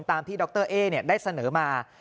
ตามที่ดรเอ๊ได้เสนอมา